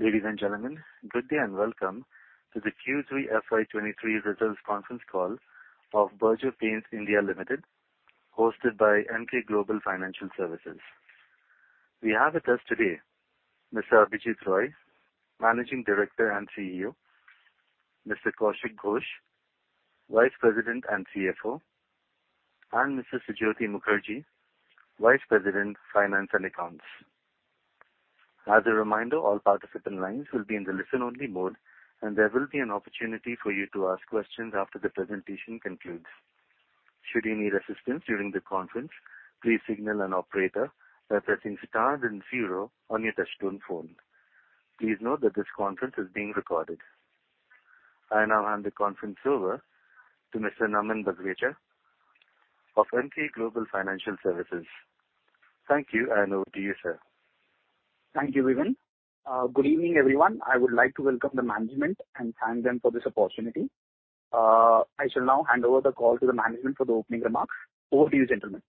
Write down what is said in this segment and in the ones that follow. Ladies and gentlemen, good day and welcome to the Q3 FY2023 results conference call of Berger Paints India Limited, hosted by Emkay Global Financial Services. We have with us today Mr. Abhijit Roy, Managing Director and CEO, Mr. Kaushik Ghosh, Vice President and CFO, and Mr. Sujyoti Mukherjee, Vice President, Finance and Accounts. As a reminder, all participant lines will be in the listen-only mode, and there will be an opportunity for you to ask questions after the presentation concludes. Should you need assistance during the conference, please signal an operator by pressing star 0 on your touchtone phone. Please note that this conference is being recorded. I now hand the conference over to Mr. Naman Bagrecha of Emkay Global Financial Services. Thank you, I hand over to you, sir. Thank you, Vivin. good evening, everyone. I would like to welcome the management and thank them for this opportunity. I shall now hand over the call to the management for the opening remarks. Over to you, gentlemen.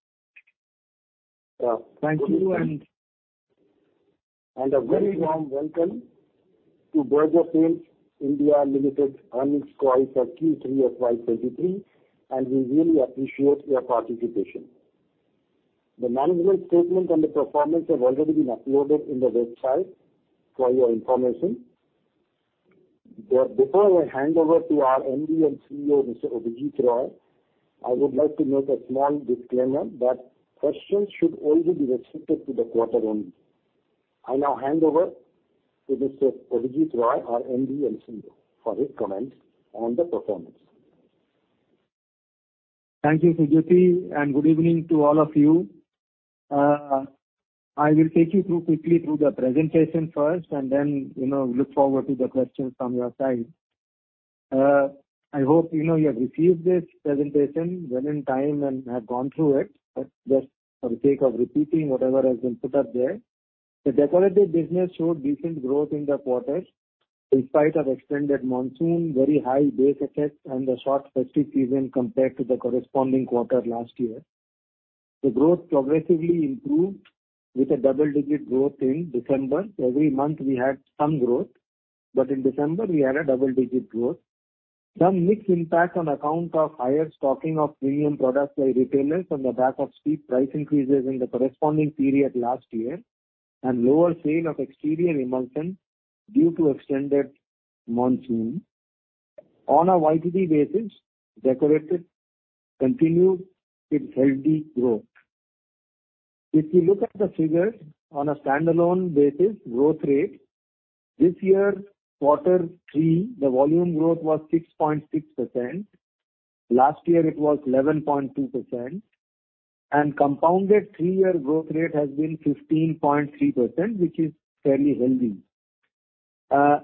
Thank you and a very warm welcome to Berger Paints India Limited earnings call for Q3 of FY23. We really appreciate your participation. The management statement and the performance have already been uploaded in the website for your information. Before I hand over to our MD and CEO, Mr. Abhijit Roy, I would like to make a small disclaimer that questions should only be restricted to the quarter only. I now hand over to Mr. Abhijit Roy, our MD and CEO, for his comments on the performance. Thank you, Sujyoti. Good evening to all of you. I will take you through quickly through the presentation first and then, you know, look forward to the questions from your side. I hope you know you have received this presentation well in time and have gone through it. Just for the sake of repeating whatever has been put up there. The decorative business showed decent growth in the quarter in spite of extended monsoon, very high base effect and a short festive season compared to the corresponding quarter last year. The growth progressively improved with a double-digit growth in December. Every month we had some growth. In December we had a double-digit growth. Some mixed impact on account of higher stocking of premium products by retailers on the back of steep price increases in the corresponding period last year and lower sale of exterior emulsion due to extended monsoon. On a YTD basis, decorative continued its healthy growth. If you look at the figures on a standalone basis growth rate, this year, quarter three, the volume growth was 6.6%. Last year it was 11.2%. Compounded three-year growth rate has been 15.3%, which is fairly healthy.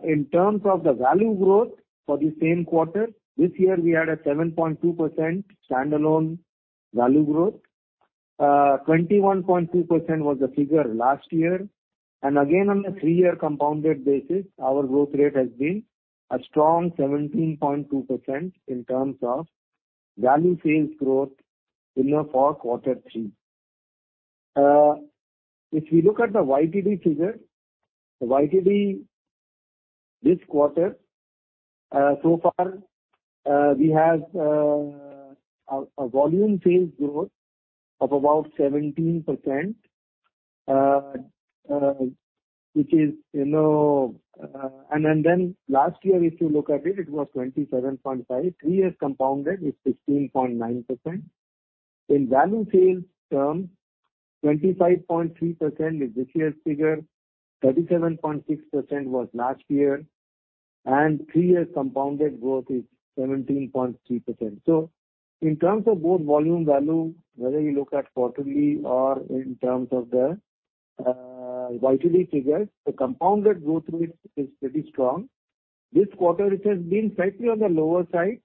In terms of the value growth for the same quarter, this year we had a 7.2% standalone value growth. 21.2% was the figure last year. Again, on a three-year compounded basis, our growth rate has been a strong 17.2% in terms of value sales growth for quarter three. If you look at the YTD figure, the YTD this quarter, so far, we have a volume sales growth of about 17%, which is, you know. Then last year, if you look at it was 27.5%. Three years compounded is 16.9%. In value sales term, 25.3% is this year's figure, 37.6% was last year, and three years compounded growth is 17.3%. In terms of both volume value, whether you look at quarterly or in terms of the YTD figures, the compounded growth rate is pretty strong. This quarter it has been slightly on the lower side,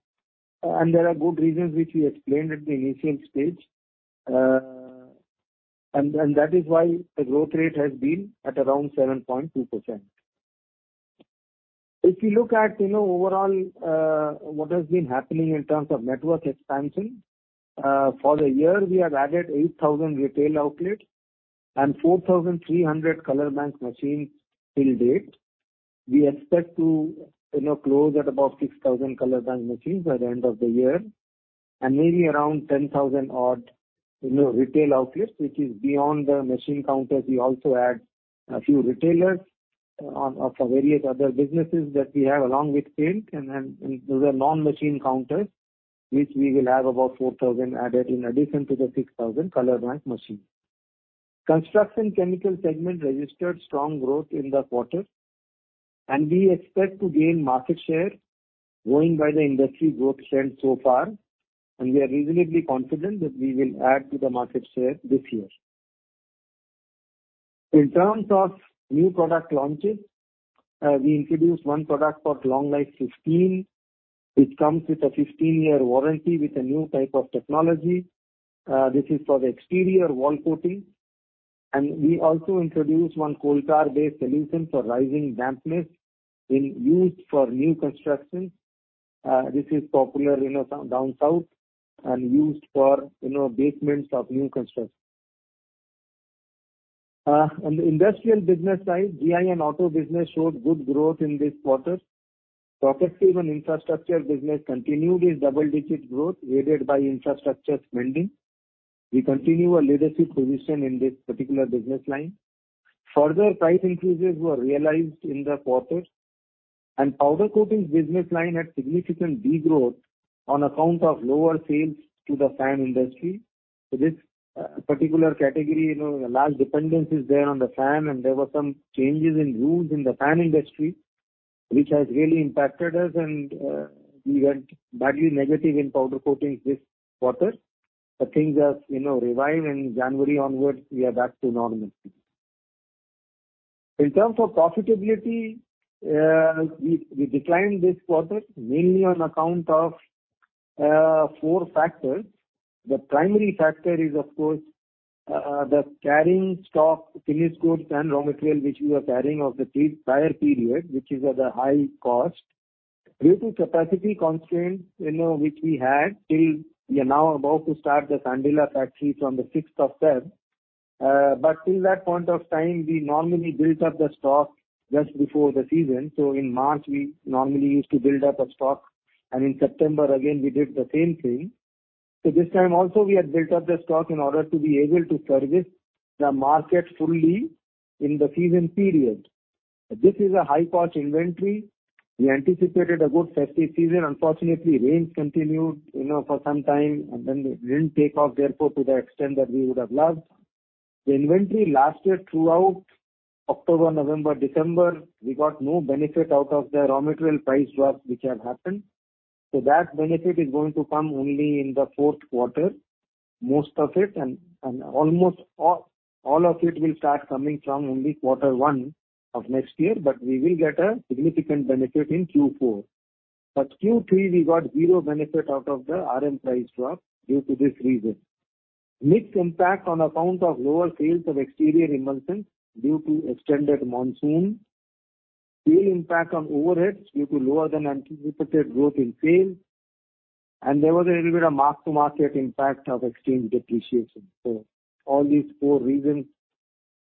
and there are good reasons which we explained at the initial stage. And that is why the growth rate has been at around 7.2%. If you look at, you know, overall, what has been happening in terms of network expansion, for the year, we have added 8,000 retail outlets and 4,300 Color Bank machines till date. We expect to, you know, close at about 6,000 Color Bank machines by the end of the year, and maybe around 10,000 odd, you know, retail outlets, which is beyond the machine counters. We also add a few retailers on for various other businesses that we have along with paint and those are non-machine counters, which we will have about 4,000 added in addition to the 6,000 Color Bank machines. Construction chemical segment registered strong growth in the quarter, we expect to gain market share going by the industry growth trend so far. We are reasonably confident that we will add to the market share this year. In terms of new product launches, we introduced one product called Long Life 15, which comes with a 15-year warranty with a new type of technology. This is for the exterior wall coating. We also introduced one coal tar-based solution for rising dampness being used for new construction. This is popular, you know, down south and used for, you know, basements of new constructs. On the industrial business side, GI and Auto business showed good growth in this quarter. Progressive and infrastructure business continued its double-digit growth, aided by infrastructure spending. We continue our leadership position in this particular business line. Further price increases were realized in the quarter and powder coatings business line had significant degrowth on account of lower sales to the fan industry. This particular category, you know, a large dependence is there on the fan, and there were some changes in rules in the fan industry, which has really impacted us and we went badly negative in powder coatings this quarter. Things have, you know, revived in January onwards, we are back to normalcy. In terms of profitability, we declined this quarter, mainly on account of four factors. The primary factor is of course, the carrying stock, finished goods and raw material, which we were carrying of the pre-prior period, which is at a high cost. Due to capacity constraints, you know, which we had till we are now about to start the Sandila factory from the sixth of February. Till that point of time, we normally built up the stock just before the season. In March, we normally used to build up our stock, and in September again, we did the same thing. This time also, we had built up the stock in order to be able to service the market fully in the season period. This is a high-cost inventory. We anticipated a good festive season. Unfortunately, rains continued, you know, for some time, and then it didn't take off, therefore, to the extent that we would have loved. The inventory lasted throughout October, November, December. We got no benefit out of the raw material price drop which had happened. That benefit is going to come only in the fourth quarter, most of it and almost all of it will start coming from only quarter one of next year, but we will get a significant benefit in Q4. Q3 we got zero benefit out of the RM price drop due to this reason. Mixed impact on account of lower sales of exterior emulsions due to extended monsoon. Real impact on overheads due to lower than anticipated growth in sales. There was a little bit of mark-to-market impact of exchange depreciation. All these four reasons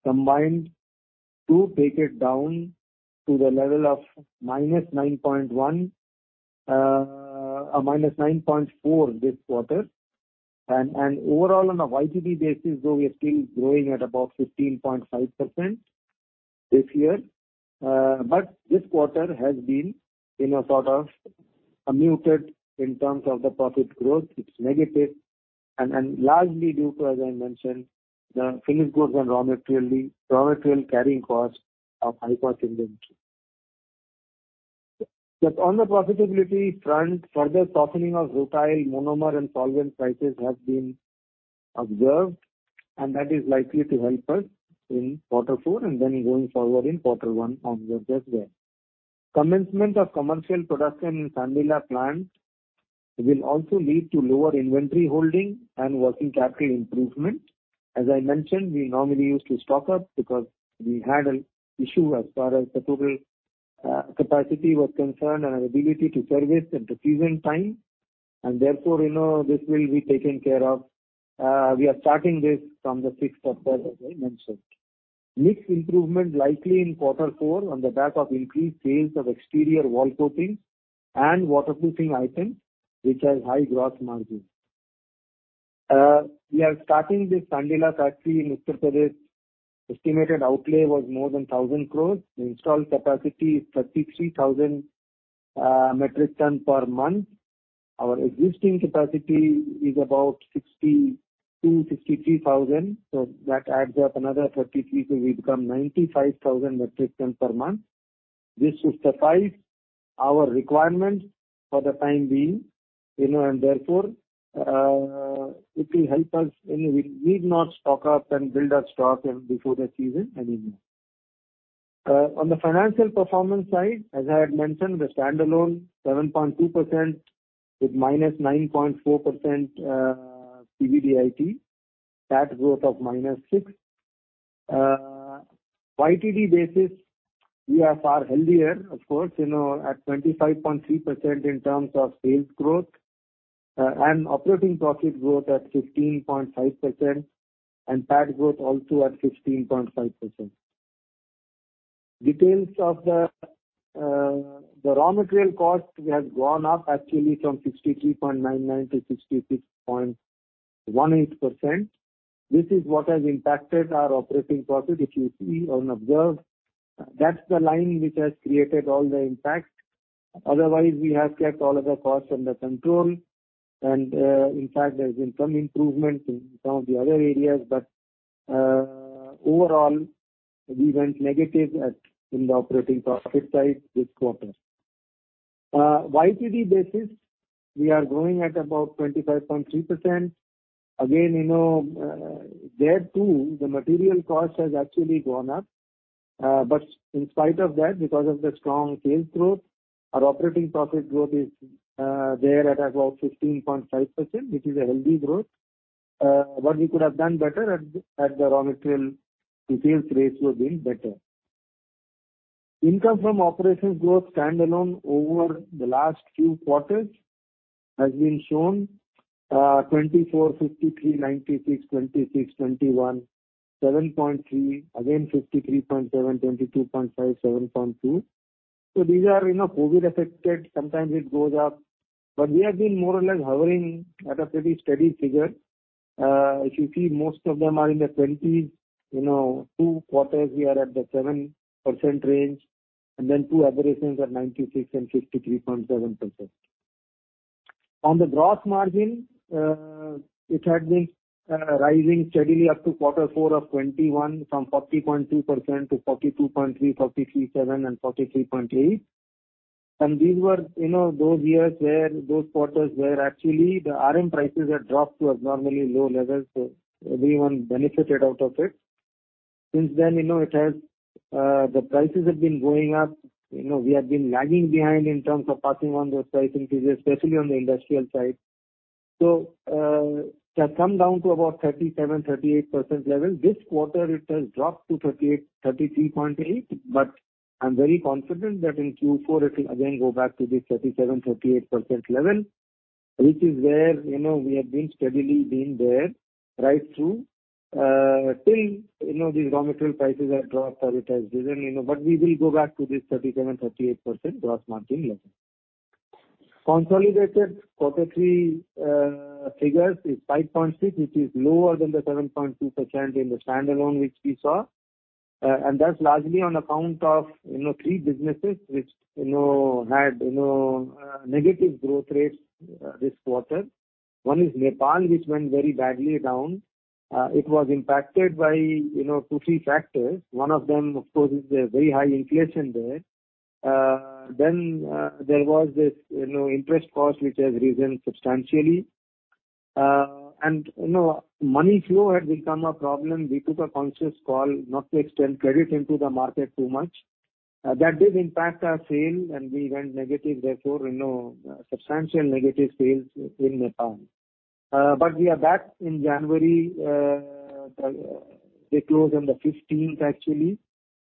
combined to take it down to the level of -9.1% or -9.4% this quarter. Overall on a YTD basis, though we are still growing at about 15.5% this year, this quarter has been in a sort of a muted in terms of the profit growth. It's negative and largely due to, as I mentioned, the finished goods and raw material carrying cost of high-cost inventory. On the profitability front, further softening of rutile, monomer and solvent prices have been observed, and that is likely to help us in Q4 and then going forward in Q1 of the next year. Commencement of commercial production in Sandila plant will also lead to lower inventory holding and working capital improvement. As I mentioned, we normally used to stock up because we had an issue as far as the total capacity was concerned and our ability to service at the season time. Therefore, you know, this will be taken care of. We are starting this from the 6th of February, as I mentioned. Mixed improvement likely in quarter four on the back of increased sales of exterior wall coatings and waterproofing items, which have high gross margins. We are starting this Sandila factory in Uttar Pradesh. Estimated outlay was more than 1,000 crore. The installed capacity is 33,000 metric ton per month. Our existing capacity is about 62,000-63,000 metric ton per month. That adds up another 33, so we become 95,000 metric ton per month. This should suffice our requirements for the time being, you know, and therefore, it will help us and we need not stock up and build our stock before the season anymore. On the financial performance side, as I had mentioned, the standalone 7.2% with -9.4%, PBDIT. PAT growth of -6%. YTD basis, we are far healthier, of course, you know, at 25.3% in terms of sales growth, and operating profit growth at 15.5% and PAT growth also at 15.5%. Details of the raw material cost has gone up actually from 63.99%-66.18%. This is what has impacted our operating profit. If you see or observe, that's the line which has created all the impact. Otherwise, we have kept all other costs under control. In fact, there has been some improvement in some of the other areas. Overall, we went negative in the operating profit side this quarter. YTD basis, we are growing at about 25.3%. Again, you know, there too, the material cost has actually gone up. In spite of that, because of the strong sales growth, our operating profit growth is there at about 15.5%, which is a healthy growth. What we could have done better at the raw material to sales ratio being better. Income from operations growth standalone over the last few quarters has been shown 24%, 53%, 96%, 26%, 21%, 7.3%. Again, 53.7%, 22.5%, 7.2%. These are, you know, COVID-affected. Sometimes it goes up. We have been more or less hovering at a pretty steady figure. If you see, most of them are in the 20s. You know, two quarters we are at the 7% range, and then two aberrations at 96% and 63.7%. On the gross margin, it had been rising steadily up to Q4 of 2021 from 40.2% to 42.3%, 43.7% and 43.8%. These were, you know, those years where those quarters where actually the RM prices had dropped to abnormally low levels, so everyone benefited out of it. Since then, you know, it has, the prices have been going up. You know, we have been lagging behind in terms of passing on those price increases, especially on the industrial side. It has come down to about 37%-38% level. This quarter it has dropped to 33.8%, I'm very confident that in Q4 it will again go back to this 37%-38% level, which is where, you know, we have been steadily been there right through, till, you know, these raw material prices have dropped or it has risen, you know. We will go back to this 37%-38% gross margin level. Consolidated quarter three figures is 5.6%, which is lower than the 7.2% in the standalone which we saw. That's largely on account of, you know, three businesses which, you know, had, you know, negative growth rates this quarter. One is Nepal, which went very badly down. It was impacted by, you know, two, three factors. One of them, of course, is the very high inflation there. There was this, you know, interest cost, which has risen substantially. You know, money flow had become a problem. We took a conscious call not to extend credit into the market too much. That did impact our sale and we went negative, therefore, you know, substantial negative sales in Nepal. We are back in January, they close on the 15th actually.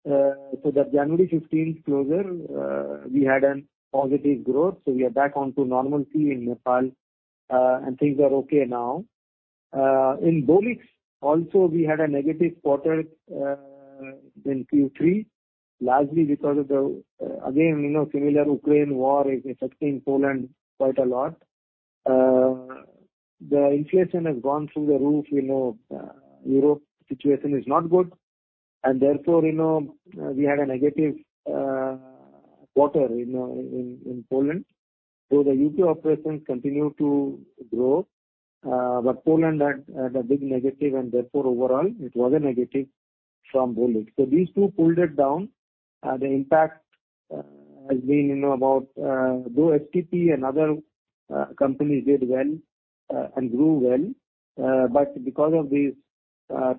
That January 15th closure, we had a positive growth, so we are back onto normalcy in Nepal, and things are okay now. In Bolix also we had a negative quarter in Q3, largely because of again, you know, similar Ukraine war is affecting Poland quite a lot. The inflation has gone through the roof. You know, Europe situation is not good. Therefore, you know, we had a negative quarter in Poland. The U.K. operations continue to grow, but Poland had a big negative. Therefore, overall it was a negative from Bolix. These two pulled it down. The impact has been, you know, about... though STP and other companies did well and grew well. Because of these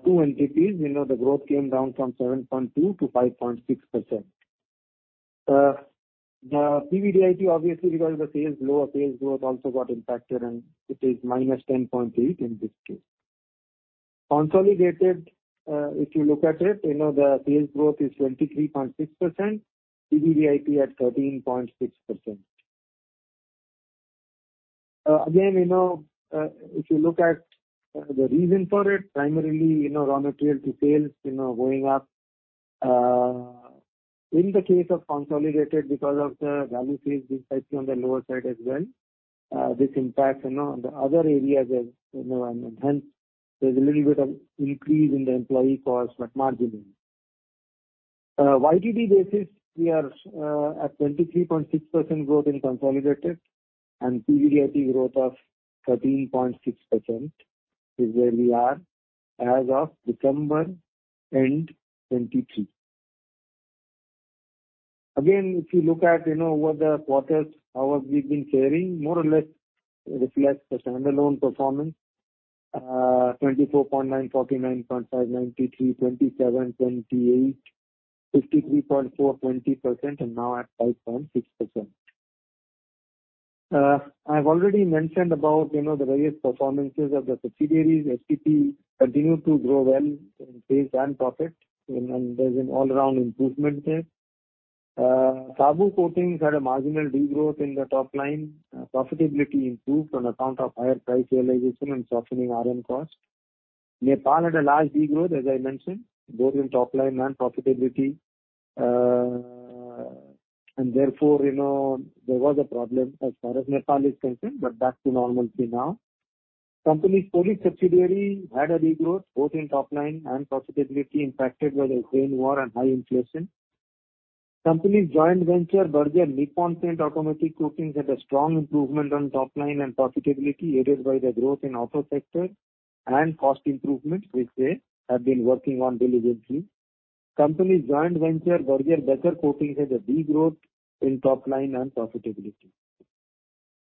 two entities, you know, the growth came down from 7.2%-5.6%. The PBDIT obviously because the sales lower, sales growth also got impacted. It is minus 10.8% in this case. Consolidated, if you look at it, you know, the sales growth is 23.6%, PBDIT at 13.6%. Again, you know, if you look at, the reason for it, primarily, you know, raw material to sales, you know, going up. In the case of consolidated because of the value sales being slightly on the lower side as well, this impacts, you know, on the other areas as you know, and hence there's a little bit of increase in the employee cost but margin. YTD basis we are at 23.6% growth in consolidated and PBDIT growth of 13.6% is where we are as of December end 2023. Again, if you look at, you know, over the quarters how have we been faring, more or less reflects the standalone performance. 24.9%, 49.5%, 93%, 27%, 28%, 53.4%, 20% and now at 5.6%. I've already mentioned about, you know, the various performances of the subsidiaries. STP continued to grow well in sales and profit and there's an all around improvement there. Saboo Coatings had a marginal degrowth in the top line. Profitability improved on account of higher price realization and softening RM costs. Nepal had a large degrowth, as I mentioned, both in top line and profitability. You know, there was a problem as far as Nepal is concerned, but back to normalcy now. Company's Polish subsidiary had a degrowth both in top line and profitability impacted by the Ukraine war and high inflation. Company's joint venture Berger Nippon Paint Automotive Coatings had a strong improvement on top line and profitability, aided by the growth in auto sector and cost improvements which they have been working on diligently. Company's joint venture Berger Decors Coatings had a degrowth in top line and profitability.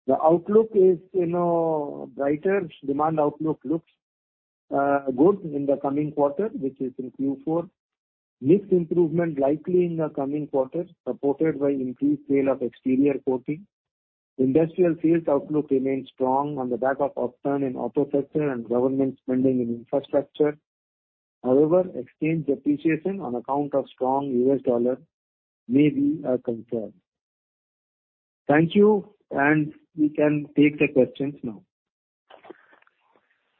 The outlook is, you know, brighter. Demand outlook looks good in the coming quarter, which is in Q4. Mix improvement likely in the coming quarters, supported by increased sale of exterior coating. Industrial fields outlook remains strong on the back of upturn in auto sector and government spending in infrastructure. However, exchange depreciation on account of strong US dollar may be a concern. Thank you. We can take the questions now.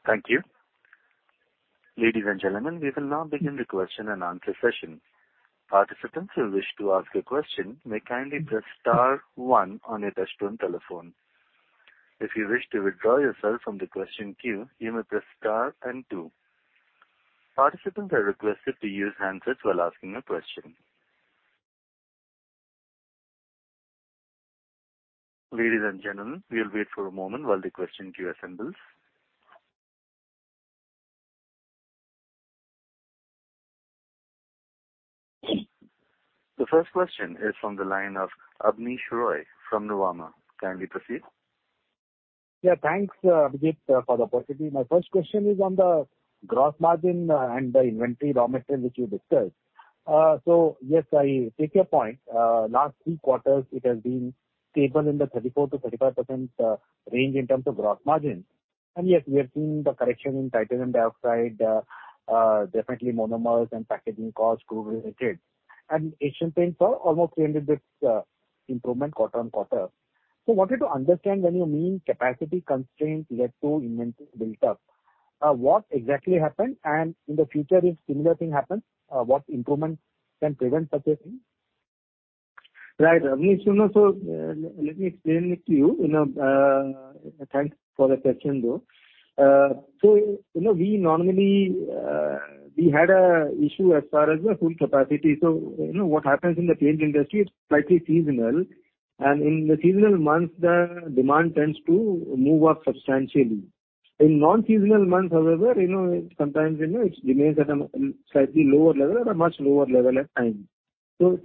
Thank you. Ladies and gentlemen, we will now begin the question and answer session. Participants who wish to ask a question may kindly press star one on your touchtone telephone. If you wish to withdraw yourself from the question queue, you may press star then two. Participants are requested to use handsets while asking a question. Ladies and gentlemen, we will wait for a moment while the question queue assembles. The first question is from the line of Abneesh Roy from Nuvama. Kindly proceed. Yeah, thanks, Abhijit for the opportunity. My first question is on the gross margin and the inventory raw material which you discussed. Yes, I take your point. Last three quarters it has been stable in the 34%-35% range in terms of gross margins. Yes, we are seeing the correction in titanium dioxide, definitely monomers and packaging costs crude related. Asian Paints are almost 300 basis improvement quarter-on-quarter. I wanted to understand when you mean capacity constraints led to inventory build up, what exactly happened and in the future if similar thing happens, what improvements can prevent such a thing? Right. Abneesh, you know, let me explain it to you know, thanks for the question, though. You know, we normally, we had a issue as far as the full capacity. You know what happens in the paint industry, it's slightly seasonal, and in the seasonal months the demand tends to move up substantially. In non-seasonal months, however, you know, sometimes, you know, it remains at a slightly lower level or a much lower level at times.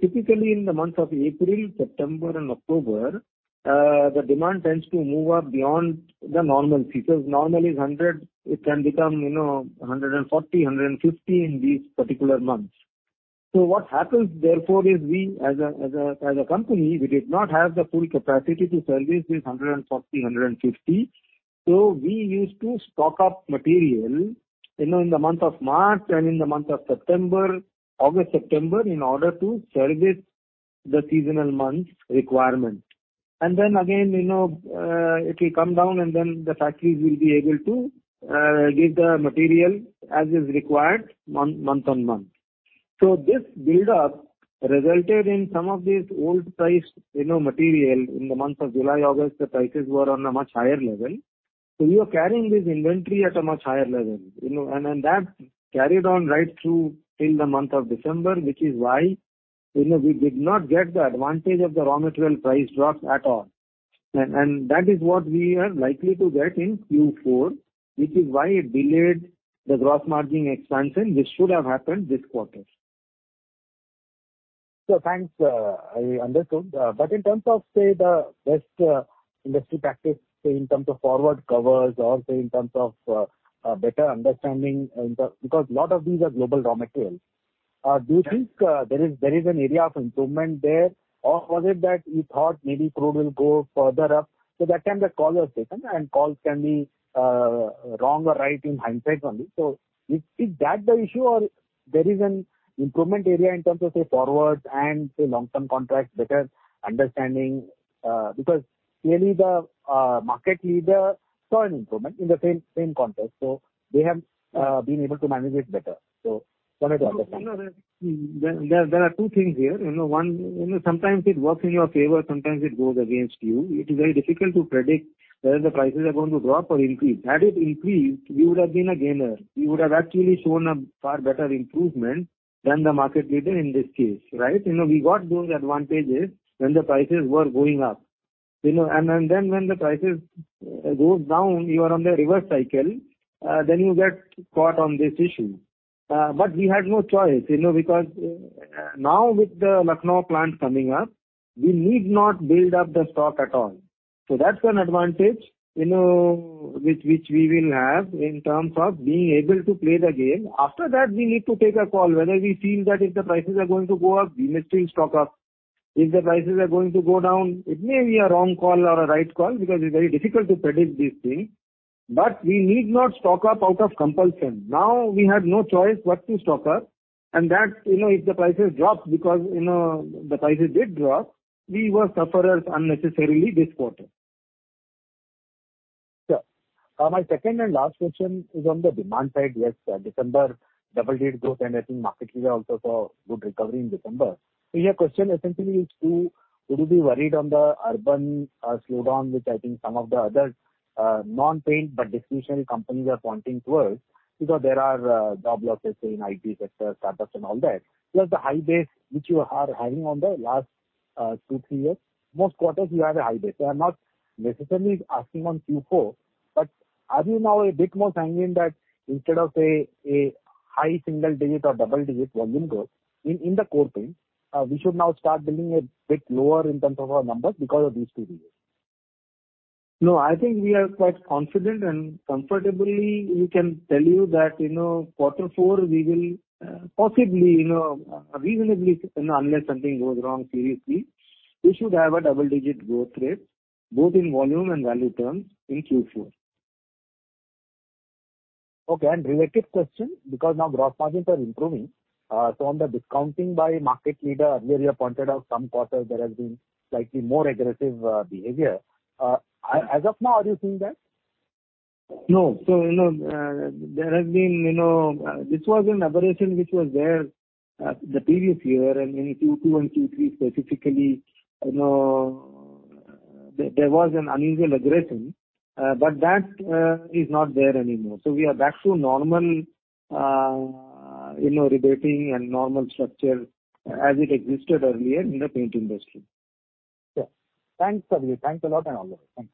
Typically in the months of April, September and October, the demand tends to move up beyond the normal. Because normally 100 it can become, you know, 140, 150 in these particular months. What happens therefore is we as a company, we did not have the full capacity to service this 140, 150. We used to stock up material, you know, in the month of March and in the month of September, August, September, in order to service the seasonal months requirement. Then again, you know, it will come down and then the factories will be able to give the material as is required month on month. This build up resulted in some of these old price, you know, material. In the months of July, August, the prices were on a much higher level. You are carrying this inventory at a much higher level, you know, and that carried on right through till the month of December, which is why, you know, we did not get the advantage of the raw material price drop at all. That is what we are likely to get in Q4, which is why it delayed the gross margin expansion, which should have happened this quarter. Thanks. I understood. In terms of, say, the best industry practice, say in terms of forward covers or say in terms of a better understanding because a lot of these are global raw materials. Do you think there is an area of improvement there? Or was it that you thought maybe crude will go further up, so that time the call was taken and calls can be wrong or right in hindsight only. Is that the issue or there is an improvement area in terms of say forwards and say long-term contracts, better understanding? Because clearly the market leader saw an improvement in the same context. They have been able to manage it better. Wanted to understand. No, there are two things here. You know, one, you know, sometimes it works in your favor, sometimes it goes against you. It is very difficult to predict whether the prices are going to drop or increase. Had it increased, we would have been a gainer. We would have actually shown a far better improvement than the market leader in this case, right? You know, when the prices goes down, you are on the reverse cycle, then you get caught on this issue. We had no choice, you know, because now with the Lucknow plant coming up, we need not build up the stock at all. That's one advantage, you know, which we will have in terms of being able to play the game. After that, we need to take a call whether we feel that if the prices are going to go up, we may still stock up. If the prices are going to go down, it may be a wrong call or a right call because it's very difficult to predict these things. We need not stock up out of compulsion. Now, we had no choice but to stock up. That's, you know, if the prices dropped because, you know, the prices did drop, we were sufferers unnecessarily this quarter. Sure. My second and last question is on the demand side. Yes, December double-digit growth. I think market leader also saw good recovery in December. Your question essentially is to would you be worried on the urban slowdown, which I think some of the other non-paint but discretionary companies are pointing towards because there are job losses in IT sector, startups and all that. Plus the high base which you are having on the last two, three years. Most quarters you have a high base. I'm not necessarily asking on Q4, are you now a bit more sanguine that instead of, say, a high single-digit or double-digit volume growth in the core paint, we should now start building a bit lower in terms of our numbers because of these two reasons? No, I think we are quite confident and comfortably we can tell you that, you know, Q4 we will, possibly, you know, reasonably, you know, unless something goes wrong seriously, we should have a double-digit growth rate, both in volume and value terms in Q4. Okay. Related question, because now gross margins are improving. On the discounting by market leader, earlier you pointed out some quarters there has been slightly more aggressive behavior. As of now, are you seeing that? No. You know, there has been. This was an aberration which was there the previous year and in Q2 and Q3 specifically. You know, there was an unusual aggression. That is not there anymore. We are back to normal, you know, rebating and normal structure as it existed earlier in the paint industry. Yeah. Thanks, Abhijit. Thanks a lot and all the best.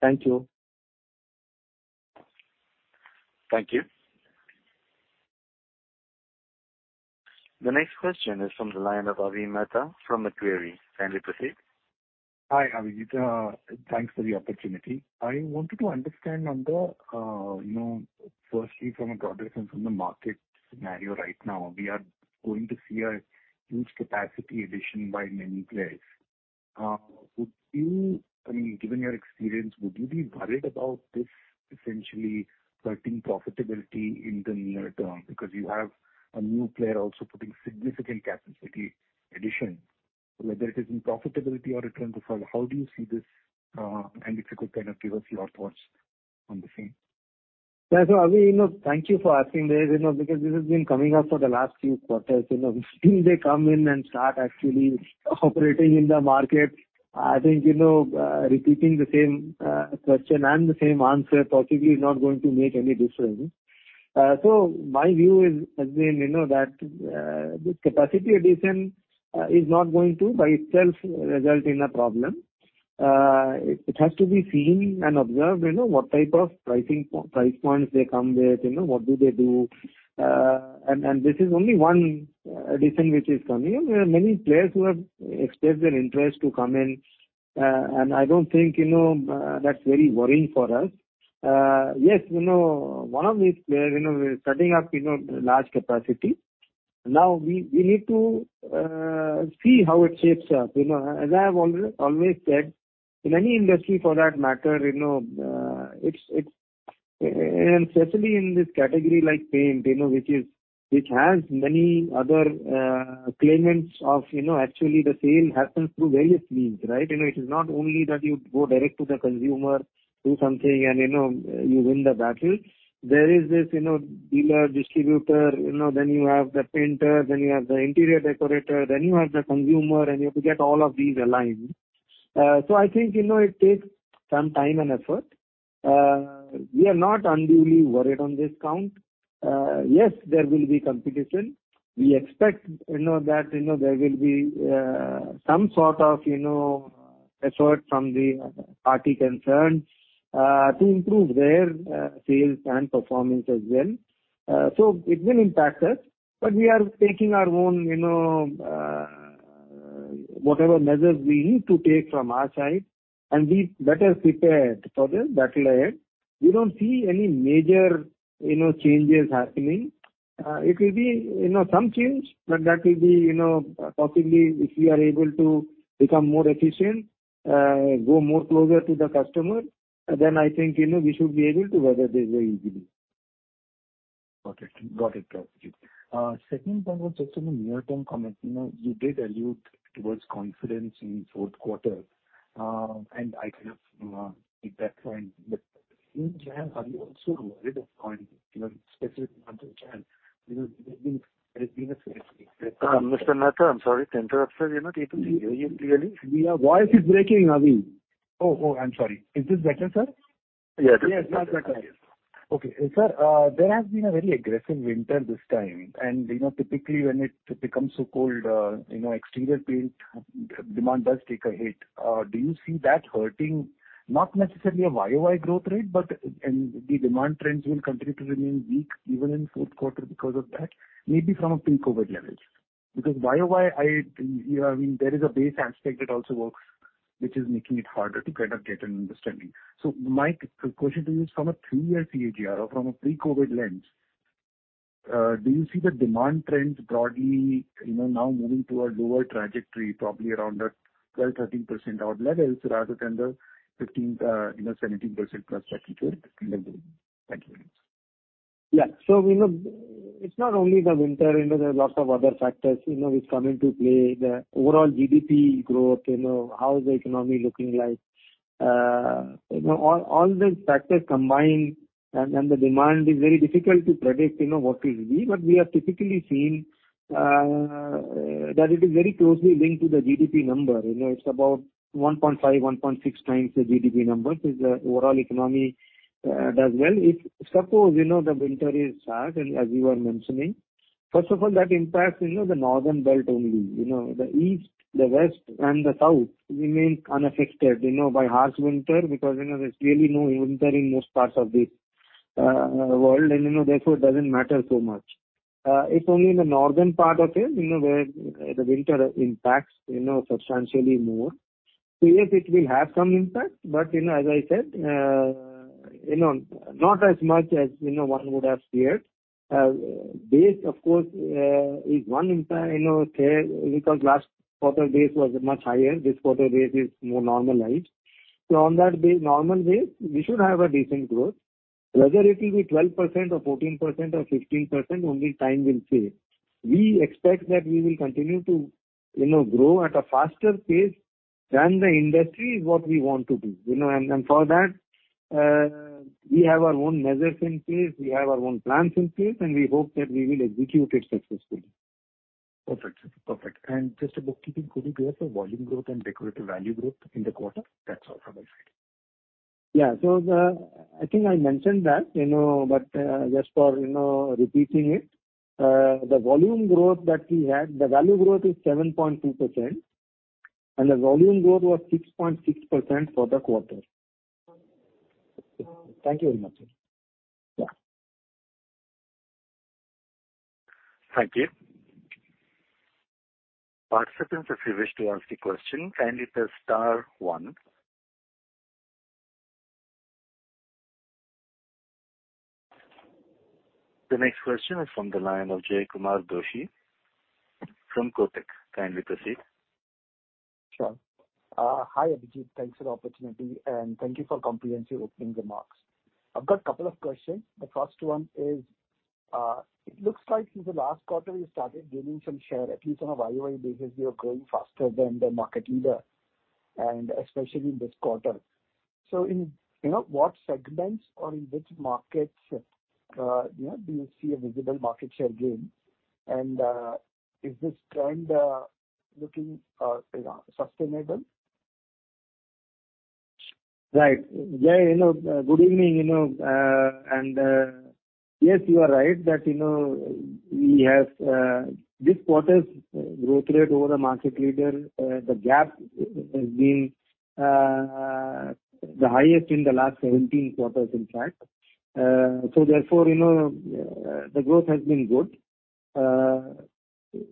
Thank you. Thank you. Thank you. The next question is from the line of Avi Mehta from Macquarie. Kindly proceed. Hi, Abhijit. Thanks for the opportunity. I wanted to understand on the, you know, firstly from a broader sense, from the market scenario right now, we are going to see a huge capacity addition by many players. Would you, I mean, given your experience, would you be worried about this essentially hurting profitability in the near term? Because you have a new player also putting significant capacity addition. Whether it is in profitability or return profile, how do you see this? If you could kind of give us your thoughts on the same. Yeah. Avi, you know, thank you for asking this, you know, because this has been coming up for the last few quarters, you know. Since they come in and start actually operating in the market, I think, you know, repeating the same question and the same answer possibly is not going to make any difference. My view is, again, you know, that this capacity addition is not going to by itself result in a problem. It has to be seen and observed, you know, what type of pricing price points they come with, you know, what do they do. And this is only one addition which is coming. There are many players who have expressed their interest to come in. And I don't think, you know, that's very worrying for us. Yes, you know, one of these players, you know, is starting up, you know, large capacity. Now we need to see how it shapes up. You know, as I have always said, in any industry for that matter, you know, especially in this category like paint, you know, which is, which has many other claimants of, you know, actually the sale happens through various means, right? You know, it is not only that you go direct to the consumer, do something and, you know, you win the battle. There is this, you know, dealer, distributor, you know, then you have the painter, then you have the interior decorator, then you have the consumer, and you have to get all of these aligned. So I think, you know, it takes some time and effort. We are not unduly worried on this count. Yes, there will be competition. We expect, you know, that, you know, there will be some sort of, you know, effort from the party concerned, to improve their sales and performance as well. It will impact us, but we are taking our own, you know, whatever measures we need to take from our side and be better prepared for the battle ahead. We don't see any major, you know, changes happening. It will be, you know, some change, but that will be, you know, possibly if we are able to become more efficient, go more closer to the customer, then I think, you know, we should be able to weather this very easily. Got it. Got it. Second point was just on a near-term comment. You know, you did allude towards confidence in fourth quarter. I kind of take that point. In January, are you also worried of going, you know, specific month of January? You know, there's been a- Mr. Mehta, I'm sorry to interrupt sir. You know, people can't hear you clearly. Your voice is breaking, Avi. Oh, I'm sorry. Is this better, sir? Yes.Yes, now it's better. Okay. Sir, there has been a very aggressive winter this time. You know, typically when it becomes so cold, you know, exterior paint demand does take a hit. Do you see that hurting not necessarily a Y-O-Y growth rate, but, and the demand trends will continue to remain weak even in fourth quarter because of that? Maybe from a pre-COVID levels. Y-O-Y I, you know, I mean, there is a base aspect that also works, which is making it harder to kind of get an understanding. My question to you is from a three-year CAGR or from a pre-COVID lens, do you see the demand trends broadly, you know, now moving to a lower trajectory, probably around that 12%-13% odd levels rather than the 15%, you know, 17%+ trajectory in the beginning? Thank you. You know, it's not only the winter, you know. There are lots of other factors, you know, which come into play. The overall GDP growth, you know, how is the economy looking like. You know, all these factors combined and the demand is very difficult to predict, you know, what it will be. We have typically seen that it is very closely linked to the GDP number. You know, it's about 1.5, 1.6 times the GDP number. If the overall economy does well. If suppose, you know, the winter is hard, and as you were mentioning, first of all, that impacts, you know, the northern belt only. You know, the east, the west, and the south remain unaffected, you know, by harsh winter because, you know, there's really no winter in most parts of the world and, you know, therefore it doesn't matter so much. If only in the northern part of it, you know, where the winter impacts, you know, substantially more. Yes, it will have some impact, but, you know, as I said, you know, not as much as, you know, one would have feared. Base, of course, is one entire, you know, because last quarter base was much higher. This quarter base is more normalized. On that normal base, we should have a decent growth. Whether it will be 12% or 14% or 15%, only time will say. We expect that we will continue to, you know, grow at a faster pace than the industry is what we want to do, you know. For that, we have our own measures in place, we have our own plans in place, and we hope that we will execute it successfully. Perfect. Perfect. Just a bookkeeping, could you give the volume growth and decorative value growth in the quarter? That's all from my side. Yeah. I think I mentioned that, you know, but, just for, you know, repeating it, the volume growth that we had, the value growth is 7.2% and the volume growth was 6.6% for the quarter. Thank you very much. Yeah. Thank you. Participants, if you wish to ask a question, kindly press star one. The next question is from the line of Jaykumar Doshi from Kotak. Kindly proceed. Sure. Hi, Abhijit. Thanks for the opportunity, and thank you for comprehensive opening remarks. I've got a couple of questions. The first one is, it looks like since the last quarter you started gaining some share. At least on a Y-O-Y basis you're growing faster than the market leader, and especially in this quarter. In, you know, what segments or in which markets, you know, do you see a visible market share gain? Is this trend looking, you know, sustainable? Right. Yeah, you know, good evening, you know. Yes, you are right that, you know, we have this quarter's growth rate over the market leader, the gap has been the highest in the last 17 quarters in fact. Therefore, you know, the growth has been good.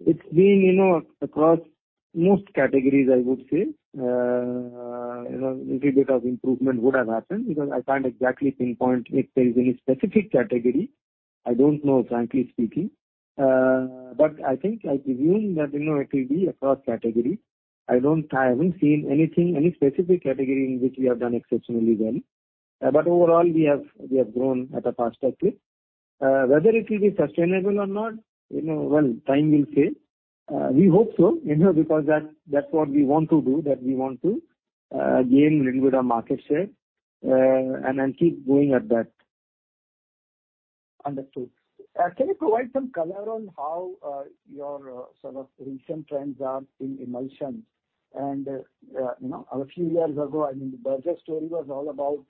It's been, you know, across most categories, I would say. You know, little bit of improvement would have happened because I can't exactly pinpoint if there is any specific category. I don't know, frankly speaking. I think I presume that, you know, it will be across categories. I haven't seen anything, any specific category in which we have done exceptionally well. Overall we have grown at a faster pace. Whether it will be sustainable or not, you know, well, time will say. We hope so, you know, because that's what we want to do, that we want to gain little bit of market share, and then keep going at that. Understood. Can you provide some color on how your sort of recent trends are in emulsions? You know, a few years ago, I mean, the Berger story was all about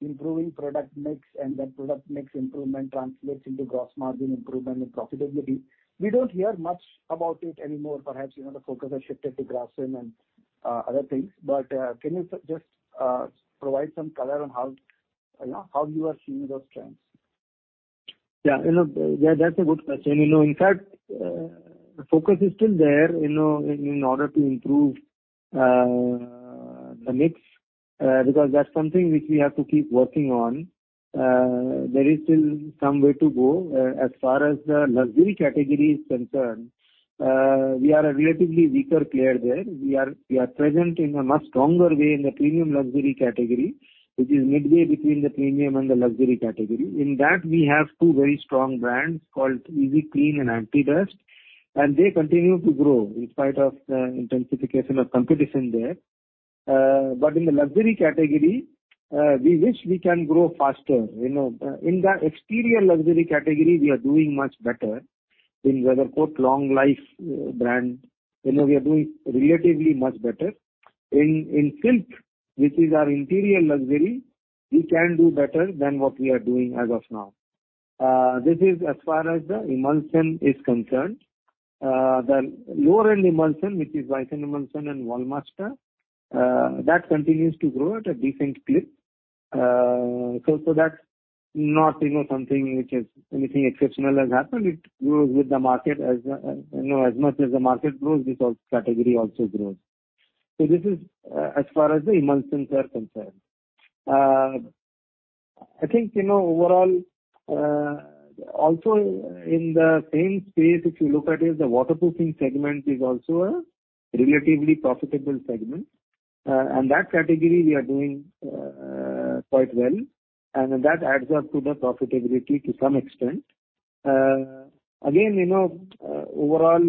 improving product mix and that product mix improvement translates into gross margin improvement and profitability. We don't hear much about it anymore. Perhaps, you know, the focus has shifted to Grasim and other things. Can you just provide some color on how, you know, how you are seeing those trends? You know, yeah, that's a good question. You know, in fact, the focus is still there, you know, in order to improve the mix, because that's something which we have to keep working on. There is still some way to go. As far as the luxury category is concerned, we are a relatively weaker player there. We are present in a much stronger way in the premium luxury category, which is midway between the premium and the luxury category. In that we have two very strong brands called Easy Clean and Anti-Dustt, and they continue to grow in spite of the intensification of competition there. In the luxury category, we wish we can grow faster. You know, in the exterior luxury category we are doing much better. In WeatherCoat Long Life brand, you know, we are doing relatively much better. In Silk, which is our interior luxury, we can do better than what we are doing as of now. This is as far as the emulsion is concerned. The lower-end emulsion, which is Bison emulsion and Walmasta, that continues to grow at a decent clip. That's not, you know, something which is anything exceptional has happened. It grows with the market. As, you know, as much as the market grows, this category also grows. This is as far as the emulsions are concerned. I think, you know, overall, also in the same space, if you look at it, the waterproofing segment is also a relatively profitable segment, and that category we are doing quite well and that adds up to the profitability to some extent. Again, you know, overall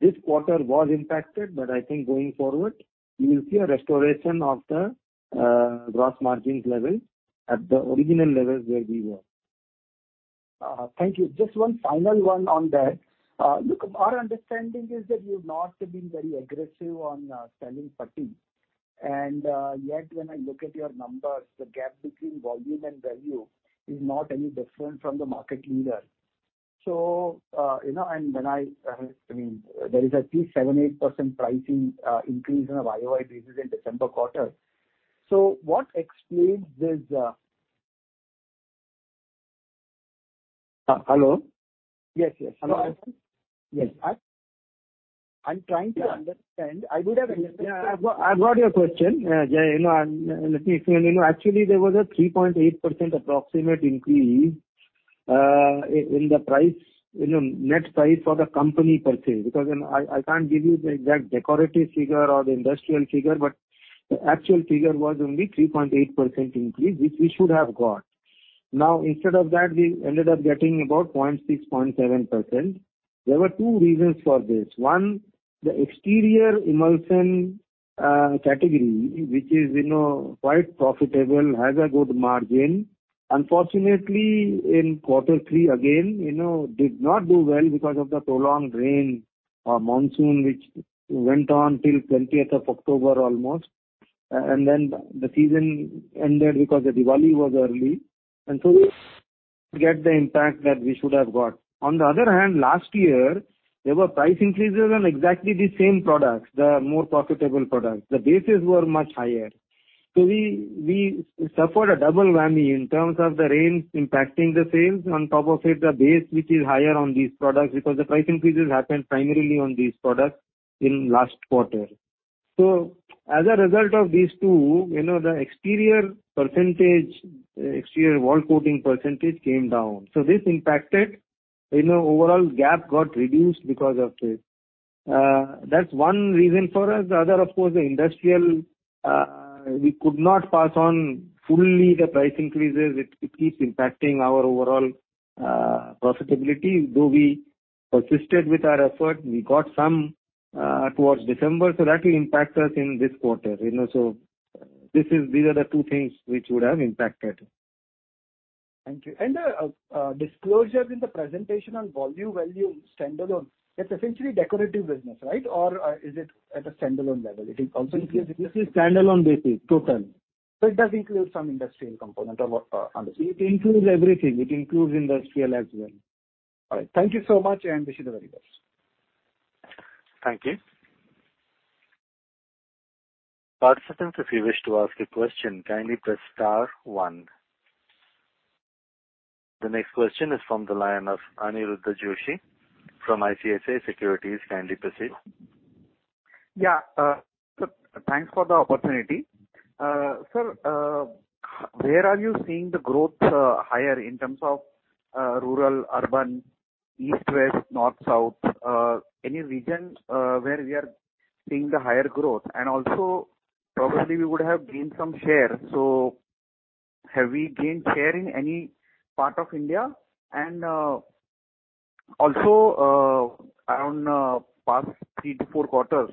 this quarter was impacted, but I think going forward you will see a restoration of the gross margins level at the original levels where we were. Thank you. Just one final one on that. Look, our understanding is that you've not been very aggressive on selling putty and yet when I look at your numbers, the gap between volume and value is not any different from the market leader. You know, and when I mean, there is at least 7%, 8% pricing increase in a Y-O-Y basis in December quarter. What explains this? Hello? Yes, yes. Hello. Yes. I'm trying to understand. Yeah, I've got your question. Yeah, you know, let me see. You know, actually there was a 3.8% approximate increase in the price, you know, net price for the company purchase. Because then I can't give you the exact decorative figure or the industrial figure, but the actual figure was only 3.8% increase, which we should have got. Now, instead of that, we ended up getting about 0.6%, 0.7%. There were two reasons for this. One, the exterior emulsion category, which is, you know, quite profitable, has a good margin. Unfortunately, in Q3, again, you know, did not do well because of the prolonged rain or monsoon, which went on till 20th of October almost. Then the season ended because the Diwali was early, we get the impact that we should have got. On the other hand, last year there were price increases on exactly the same products, the more profitable products. The bases were much higher. We suffered a double whammy in terms of the rains impacting the sales. On top of it, the base, which is higher on these products because the price increases happened primarily on these products in last quarter. As a result of these two, you know, the exterior wall coating percentage came down. This impacted, you know, overall gap got reduced because of this. That's one reason for us. The other, of course, the industrial. We could not pass on fully the price increases. It keeps impacting our overall profitability. Though we persisted with our effort, we got some towards December, that will impact us in this quarter, you know. These are the two things which would have impacted. Thank you. Disclosures in the presentation on volume, value standalone, that's essentially decorative business, right? Or, is it at a standalone level? This is standalone basis. Total. it does include some industrial component or, understood. It includes everything. It includes industrial as well. All right. Thank you so much, and wish you the very best. Thank you. Participants, if you wish to ask a question, kindly press star one. The next question is from the line of Aniruddha Joshi from ICICI Securities. Kindly proceed. Yeah. Thanks for the opportunity. Sir, where are you seeing the growth higher in terms of rural, urban, east, west, north, south? Any region where we are seeing the higher growth? Also probably we would have gained some share. Have we gained share in any part of India? Also, around past three to four quarters,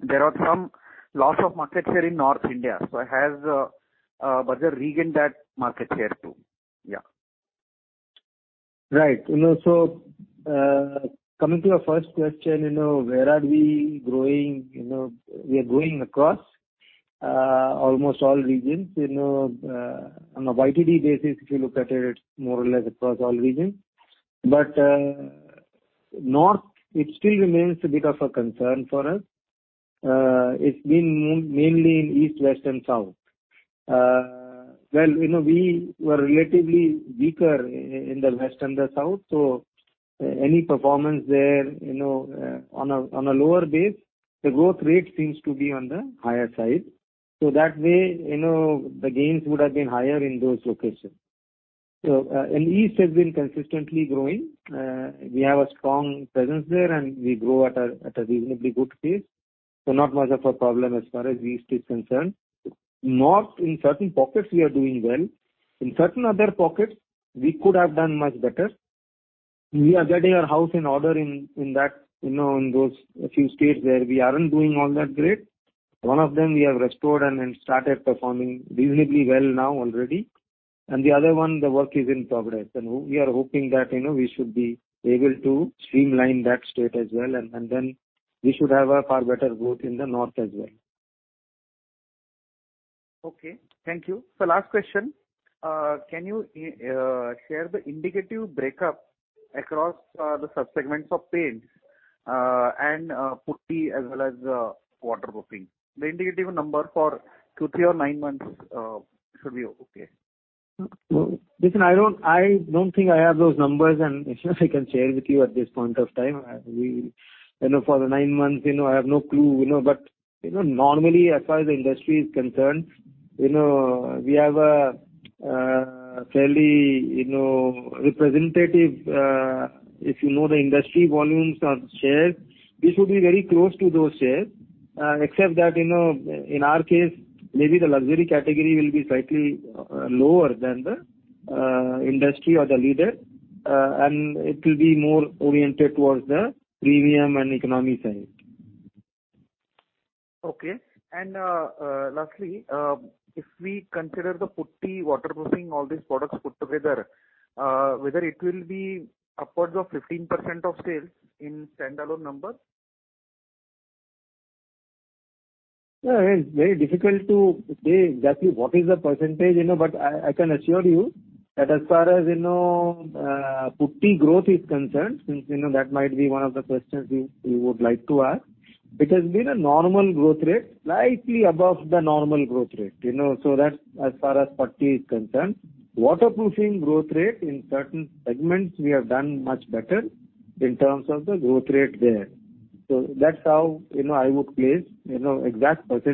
there was some loss of market share in North India. Has Berger regained that market share too? Yeah. Right. You know, coming to your first question, you know, where are we growing? We are growing across almost all regions. On a YTD basis, if you look at it's more or less across all regions. North, it still remains a bit of a concern for us. It's been mainly in East, West, and South. Well, you know, we were relatively weaker in the West and the South. Any performance there, you know, on a lower base, the growth rate seems to be on the higher side. That way, you know, the gains would have been higher in those locations. East has been consistently growing. We have a strong presence there, and we grow at a reasonably good pace. Not much of a problem as far as East is concerned. North, in certain pockets we are doing well. In certain other pockets, we could have done much better. We are getting our house in order in that, you know, in those few states where we aren't doing all that great. One of them we have restored and started performing reasonably well now already. The other one, the work is in progress, and we are hoping that, you know, we should be able to streamline that state as well. Then we should have a far better growth in the North as well. Okay. Thank you. Last question. Can you share the indicative breakup across the sub-segments of paints and putty as well as waterproofing? The indicative number for Q3 or nine months should be okay. Listen, I don't think I have those numbers and I can share with you at this point of time. We, you know, for the 9 months, you know, I have no clue, you know. You know, normally, as far as the industry is concerned, you know, we have a fairly, you know, representative, if you know the industry volumes or shares, we should be very close to those shares. Except that, you know, in our case, maybe the luxury category will be slightly lower than the industry or the leader, and it will be more oriented towards the premium and economy side. Okay. Lastly, if we consider the putty, waterproofing, all these products put together, whether it will be upwards of 15% of sales in standalone number? No, it's very difficult to say exactly what is the percentage, you know, but I can assure you that as far as, you know, putty growth is concerned, since, you know, that might be 1 of the questions you would like to ask, it has been a normal growth rate, slightly above the normal growth rate, you know. That's as far as putty is concerned. Waterproofing growth rate in certain segments we have done much better in terms of the growth rate there. That's how, you know, I would place. You know, exact % what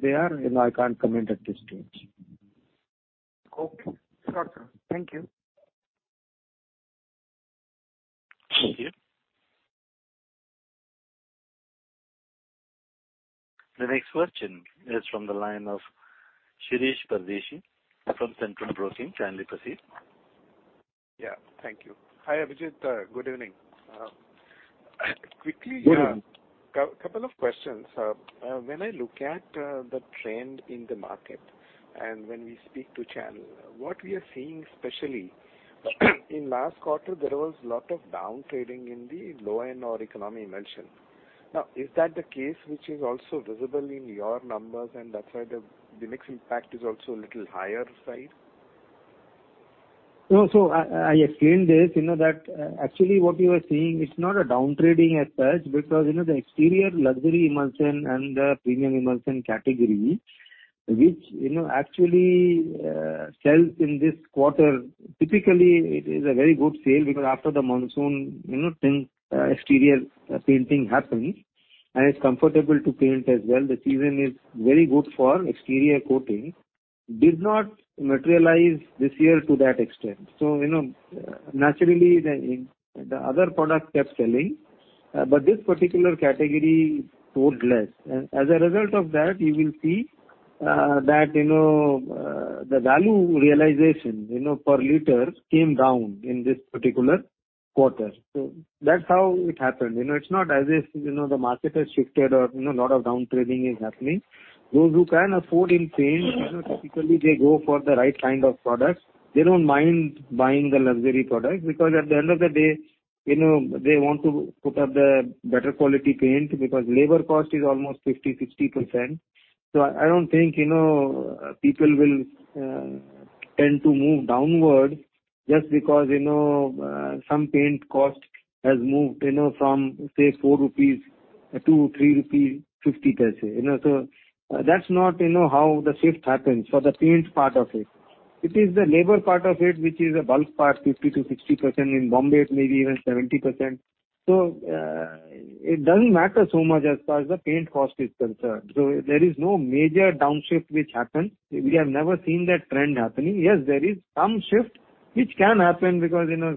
they are, you know, I can't comment at this stage. Okay. Sure, sir. Thank you. Thank you. The next question is from the line of Shirish Pardeshi from Centrum Broking. Kindly proceed. Yeah. Thank you. Hi, Abhijit. good evening. Good evening. Couple of questions. When I look at the trend in the market and when we speak to channel, what we are seeing especially, in last quarter there was lot of downtrading in the low-end or economy emulsion. Is that the case which is also visible in your numbers and that's why the mix impact is also a little higher side? No. I explained this, you know, that actually what we were seeing, it's not a downtrading as such because, you know, the exterior luxury emulsion and the premium emulsion category which, you know, actually sells in this quarter, typically it is a very good sale because after the monsoon, you know, paint exterior painting happens and it's comfortable to paint as well. The season is very good for exterior coating. Did not materialize this year to that extent. You know, naturally the other product kept selling, but this particular category sold less. As a result of that you will see that, you know, the value realization, you know, per liter came down in this particular quarter. That's how it happened. You know, it's not as if, you know, the market has shifted or, you know, lot of downtrading is happening. Those who can afford in paint, you know, typically they go for the right kind of products. They don't mind buying the luxury products because at the end of the day, you know, they want to put up the better quality paint because labor cost is almost 50%, 60%. I don't think, you know, people will tend to move downward just because, you know, some paint cost has moved, you know, from say 4-3.50 rupees. You know, that's not, you know, how the shift happens for the paint part of it. It is the labor part of it which is a bulk part, 50%-60%. In Bombay it's maybe even 70%. It doesn't matter so much as far as the paint cost is concerned. There is no major downshift which happened. We have never seen that trend happening. Yes, there is some shift which can happen because, you know,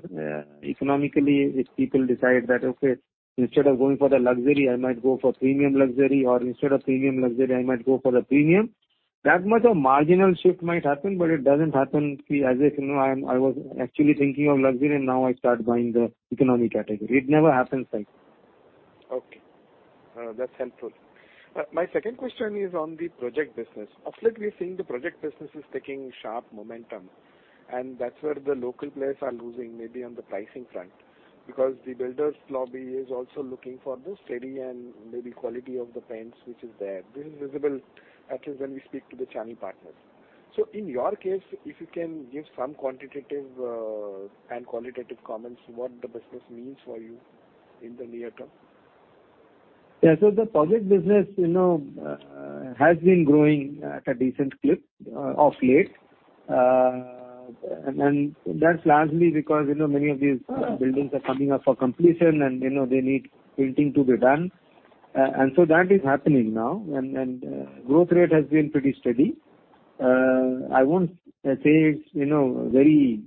economically if people decide that, "Okay, instead of going for the luxury, I might go for premium luxury, or instead of premium luxury, I might go for the premium." That much of marginal shift might happen, but it doesn't happen as if, you know, I was actually thinking of luxury and now I start buying the economy category. It never happens like that. That's helpful. My second question is on the project business. Of late we are seeing the project business is taking sharp momentum and that's where the local players are losing maybe on the pricing front because the builders lobby is also looking for the steady and maybe quality of the paints which is there. This is visible at least when we speak to the channel partners. In your case, if you can give some quantitative and qualitative comments what the business means for you in the near term. Yeah. The project business, you know, has been growing at a decent clip of late. That's largely because, you know, many of these buildings are coming up for completion and, you know, they need painting to be done. That is happening now and growth rate has been pretty steady. I won't say it's, you know, very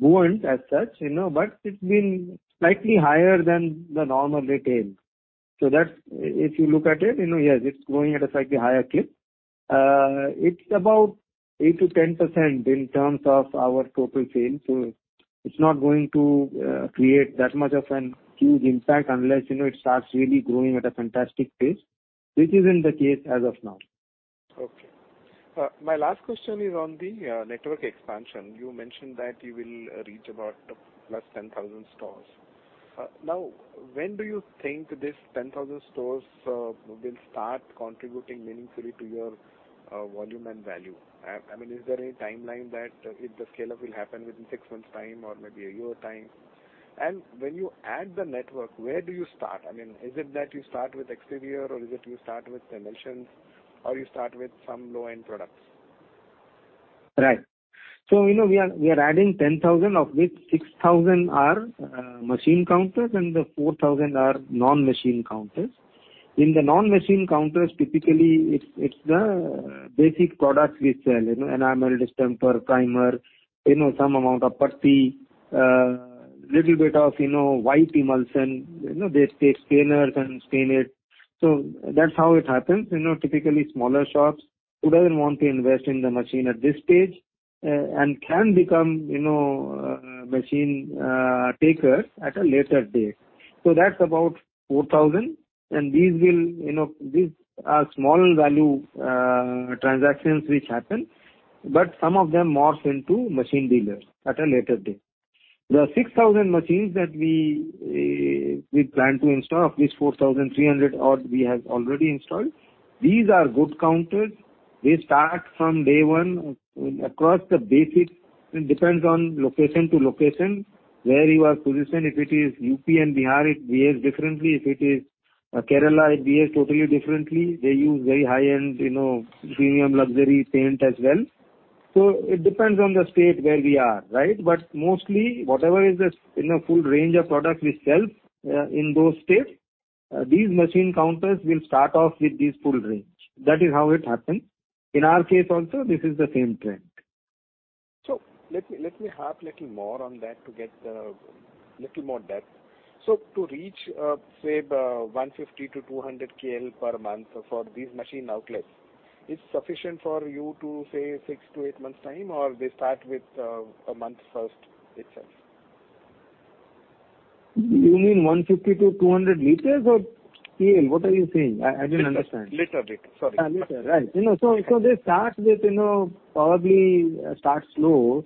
buoyant as such, you know, but it's been slightly higher than the normal rate is. That's. If you look at it, you know, yes, it's growing at a slightly higher clip. It's about 8%-10% in terms of our total sales, it's not going to create that much of an huge impact unless, you know, it starts really growing at a fantastic pace, which isn't the case as of now. Okay. My last question is on the network expansion. You mentioned that you will reach about +10,000 stores. Now, when do you think this 10,000 stores will start contributing meaningfully to your volume and value? I mean, is there any timeline that if the scale-up will happen within 6 months' time or maybe 1 year's time? When you add the network, where do you start? I mean, is it that you start with exterior or is it you start with emulsions or you start with some low-end products? Right. You know, we are, we are adding 10,000, of which 6,000 are machine counters and 4,000 are non-machine counters. In the non-machine counters, typically it's the basic products we sell, you know, enamel, distemper, primer, you know, some amount of putty, little bit of, you know, white emulsion, you know, they take thinners and stain it. That's how it happens. You know, typically smaller shops who doesn't want to invest in the machine at this stage, and can become, you know, machine takers at a later date. That's about 4,000 and these will, you know, these are small value transactions which happen, but some of them morph into machine dealers at a later date. The 6,000 machines that we plan to install, of which 4,300 odd we have already installed, these are good counters. They start from day one across the basic. It depends on location to location, where you are positioned. If it is UP and Bihar, it behaves differently. If it is Kerala, it behaves totally differently. They use very high-end, you know, premium luxury paint as well. It depends on the state where we are, right. Mostly, whatever is the, you know, full range of products we sell in those states, these machine counters will start off with this full range. That is how it happens. In our case also, this is the same trend. Let me harp little more on that to get little more depth. To reach, say, 150-200 KL per month for these machine outlets, it's sufficient for you to say 6-8 months' time, or they start with a month first itself? You mean 150-200 liters or KL? What are you saying? I don't understand. Liter. Sorry. liter. Right. You know, so they start with, you know, probably start slow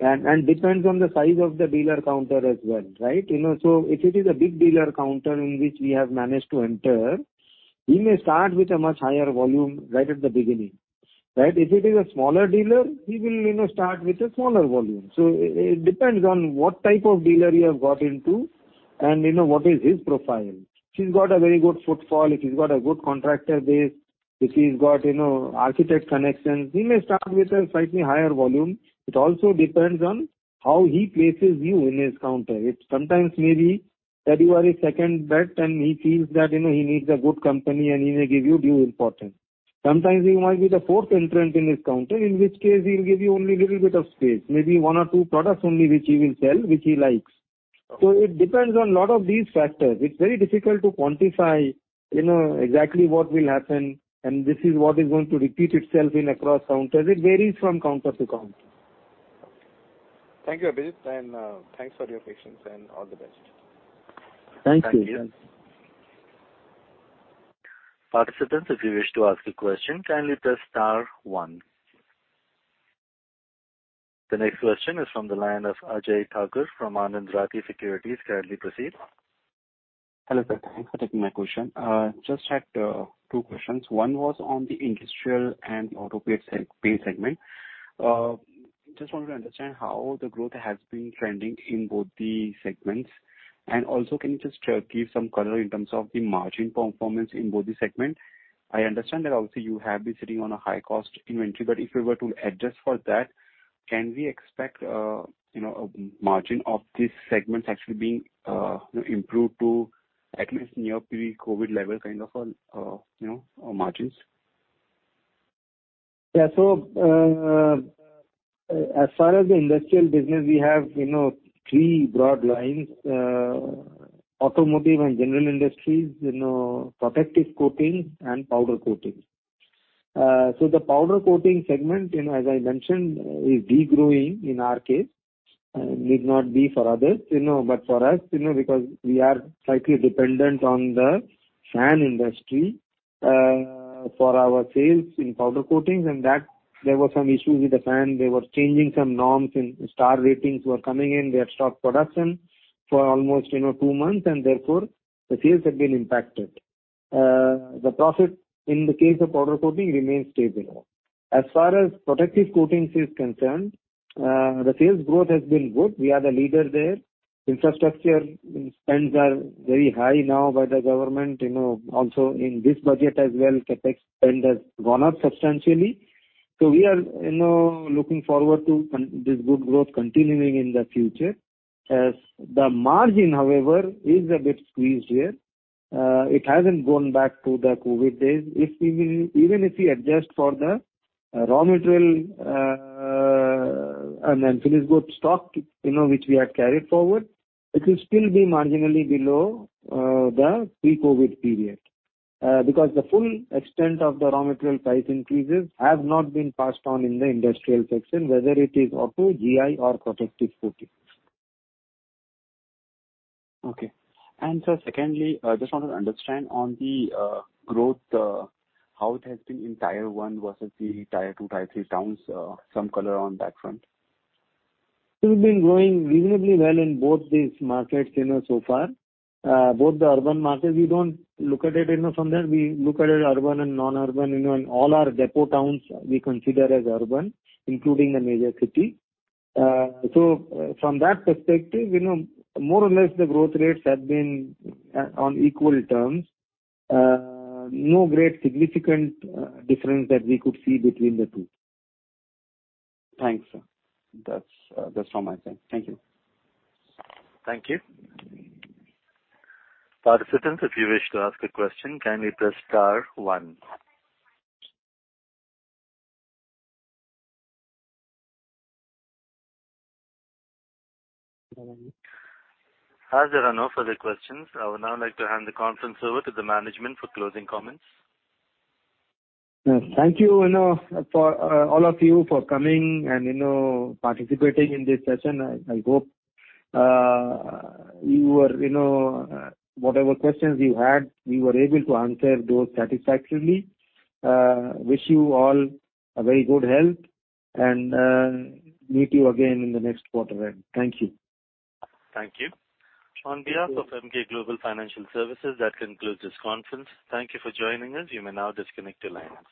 and depends on the size of the dealer counter as well, right? You know, so if it is a big dealer counter in which we have managed to enter, we may start with a much higher volume right at the beginning, right? If it is a smaller dealer, he will, you know, start with a smaller volume. It depends on what type of dealer you have got into and, you know, what is his profile. If he's got a very good footfall, if he's got a good contractor base, if he's got, you know, architect connections, he may start with a slightly higher volume. It also depends on how he places you in his counter. It sometimes may be that you are a second bet and he feels that, you know, he needs a good company and he may give you due importance. Sometimes you might be the fourth entrant in his counter, in which case he'll give you only a little bit of space, maybe one or two products only which he will sell, which he likes. It depends on lot of these factors. It's very difficult to quantify, you know, exactly what will happen, and this is what is going to repeat itself in across counters. It varies from counter to counter. Thank you, Abhijit, and, thanks for your patience and all the best. Thank you. Thank you. Participants, if you wish to ask a question, kindly press star one. The next question is from the line of Ajay Thakur from Anand Rathi Securities. Kindly proceed. Hello, sir. Thanks for taking my question. Just had two questions. One was on the industrial and auto paint segment. Just wanted to understand how the growth has been trending in both the segments. Also, can you just give some color in terms of the margin performance in both the segment? I understand that also you have been sitting on a high-cost inventory, but if you were to adjust for that, can we expect, you know, margin of these segments actually being, you know, improved to at least near pre-COVID level kind of a, you know, margins? Yeah. As far as the industrial business, we have, you know, three broad lines, automotive and general industries, you know, protective coatings and powder coatings. The powder coating segment, you know, as I mentioned, is de-growing in our case. Need not be for others, you know, for us, you know, because we are slightly dependent on the fan industry for our sales in powder coatings, and that there were some issues with the fan. They were changing some norms and star ratings were coming in. They had stopped production for almost, you know, two months, and therefore the sales have been impacted. The profit in the case of powder coating remains stable. As far as protective coatings is concerned, the sales growth has been good. We are the leader there. Infrastructure spends are very high now by the government. You know, also in this budget as well, CapEx spend has gone up substantially. We are, you know, looking forward to this good growth continuing in the future. The margin, however, is a bit squeezed here. It hasn't gone back to the COVID days. If even if we adjust for the raw material, and then finished goods stock, you know, which we had carried forward, it will still be marginally below the pre-COVID period. Because the full extent of the raw material price increases have not been passed on in the industrial section, whether it is auto, GI or protective coating. Okay. Sir, secondly, I just wanted to understand on the growth, how it has been in Tier I versus the Tier II, Tier III towns. Some color on that front. We've been growing reasonably well in both these markets, you know, so far. Both the urban markets, we don't look at it, you know, from there. We look at it urban and non-urban, you know, and all our depot towns we consider as urban, including the major city. So from that perspective, you know, more or less the growth rates have been on equal terms. No great significant difference that we could see between the two. Thanks, sir. That's all my time. Thank you. Thank you. Participants, if you wish to ask a question, kindly press star one. As there are no further questions, I would now like to hand the conference over to the management for closing comments. Yes. Thank you know, for all of you for coming and, you know, participating in this session. I hope, you were, you know, whatever questions you had, we were able to answer those satisfactorily. Wish you all a very good health and meet you again in the next quarter end. Thank you. Thank you. On behalf of Emkay Global Financial Services, that concludes this conference. Thank you for joining us. You may now disconnect your line.